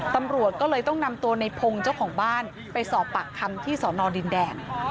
ตำรวจก็เลยต้องนำตัวในพงศ์เจ้าของบ้านไปสอบปากคำที่สอนอดินแดง